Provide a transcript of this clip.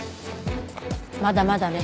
まだまだね。